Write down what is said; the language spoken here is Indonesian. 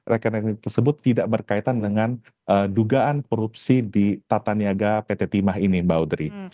rekening tersebut tidak berkaitan dengan dugaan korupsi di tata niaga pt timah ini mbak audrey